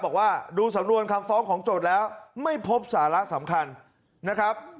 บอกว่าดูสำนวนคำฟ้องของโจทย์แล้วไม่พบสาระสำคัญนะครับ